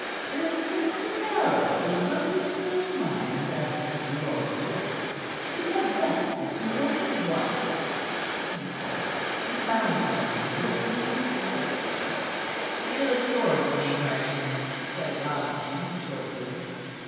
"If Mr. Caryll is of the same mind as his lordship, we had best get to work at once," he said; and bowing to them, withdrew with Gascoigne. "See to the swords, Mainwaring," said Rotherby shortly.